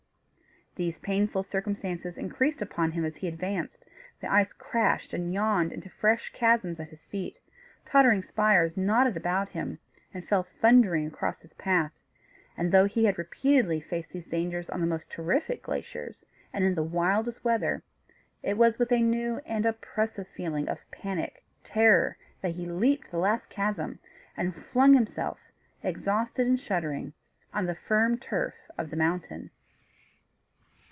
These painful circumstances increased upon him as he advanced; the ice crashed and yawned into fresh chasms at his feet, tottering spires nodded around him, and fell thundering across his path; and, though he had repeatedly faced these dangers on the most terrific glaciers, and in the wildest weather, it was with a new and oppressive feeling of panic terror that he leaped the last chasm, and flung himself, exhausted and shuddering, on the firm turf of the mountain.